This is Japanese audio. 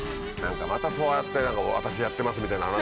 またそうやって「私やってます」みたいな話聞くの？